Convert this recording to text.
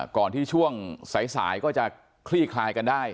ก่อนที่ช่วงสายก็จะคลี่คลายกันได้